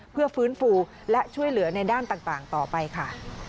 เพื่อฟื้นฟูและช่วยเหลือในด้านต่างต่อไปค่ะ